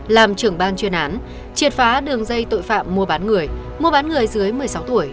làm trưởng ban chuyên án triệt phá đường dây tội phạm mua bán người mua bán người dưới một mươi sáu tuổi